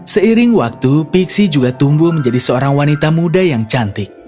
seiring waktu pixie juga tumbuh menjadi seorang wanita muda yang cantik